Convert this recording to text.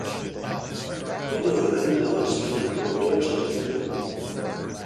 Bonner and her husband have one daughter together.